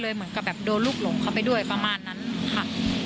เหมือนกับแบบโดนลูกหลงเข้าไปด้วยประมาณนั้นค่ะ